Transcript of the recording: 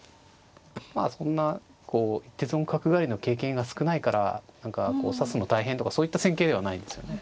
まあそんな一手損角換わりの経験が少ないから何か指すの大変とかそういった戦型ではないですよね。